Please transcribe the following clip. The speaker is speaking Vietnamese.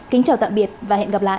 kính chào tạm biệt và hẹn gặp lại